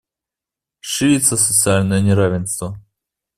Ширится социальное неравенство.